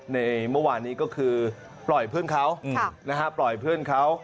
ในเมื่อวานนี้ก็คือปล่อยเพื่อนเขา